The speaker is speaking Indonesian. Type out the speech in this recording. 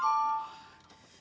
tidak ada yang bisa dihukum